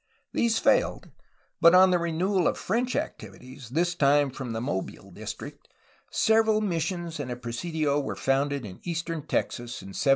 These failed, but on the renewal of French activities, this time from the Mobile district, several missions and a presidio were founded in eastern Texas in 1716.